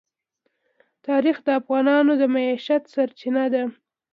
تاریخ د افغانانو د معیشت سرچینه ده.